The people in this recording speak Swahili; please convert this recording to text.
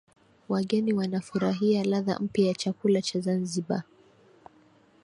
Wageni wanafurahia ladha mpya ya chakula cha Zanzibar